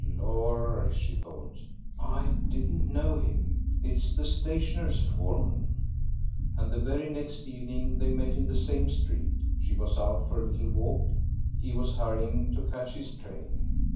"Lor'," she thought, "I didn't know him; it's the stationer's foreman." And the very next evening they met in the same street; she was out for a little walk, he was hurrying to catch his train.